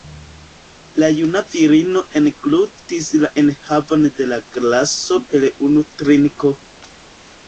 La juna virino englutis la enhavon de la glaso per unu trinko.